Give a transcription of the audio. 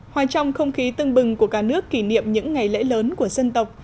hòa trong không khí tưng bừng của cả nước kỷ niệm những ngày lễ lớn của dân tộc